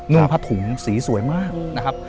นุ่งผ้าถุงสีสวยมากนะครับ